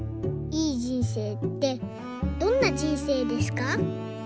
いい人生ってどんな人生ですか？」。